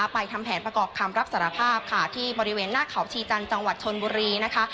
ทำแผนประกอบคำรับสารภาพค่ะที่บริเวณหน้าเขาชีจันทร์จังหวัดชนบุรีนะคะ